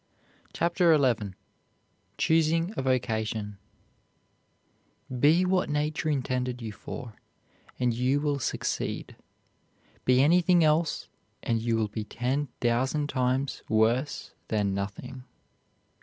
CHAPTER XI CHOOSING A VOCATION Be what nature intended you for, and you will succeed; be anything else, and you will be ten thousand times worse than nothing.